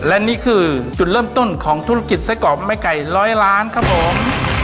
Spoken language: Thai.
และนี่คือจุดเริ่มต้นของธุรกิจไส้กรอกไม่ไก่ร้อยล้านครับผม